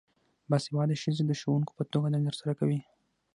باسواده ښځې د ښوونکو په توګه دنده ترسره کوي.